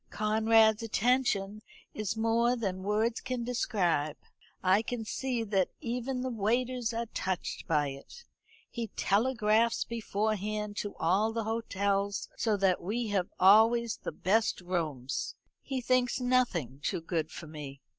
Conrad's attention is more than words can describe. I can see that even the waiters are touched by it. He telegraphs beforehand to all the hotels, so that we have always the best rooms. He thinks nothing too good for me.